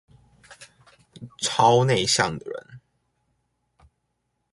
超內向的人